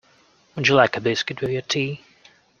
Would you like a biscuit with your tea?